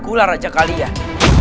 akulah raja kalian